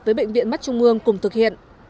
với bệnh viện mắt trung ương cùng thực hiện